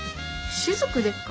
滴でっか？